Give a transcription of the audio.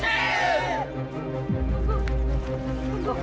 tunggu tunggu tunggu